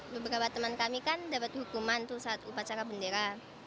beberapa teman kami kan dapat hukuman tuh saat upacara bendera